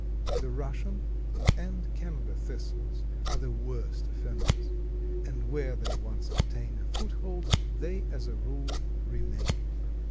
The Russian and Canada thistles are the worst offenders, and where they once obtain a foothold they, as a rule, remain.